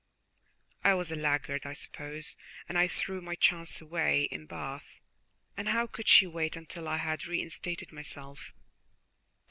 I was a laggard, I suppose, and I threw my chance away in Bath; and how could she wait until I had reinstated myself?